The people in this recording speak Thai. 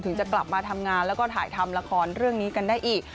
จะกลับมาทำงานแล้วก็ถ่ายทำละครเรื่องนี้กันได้อีก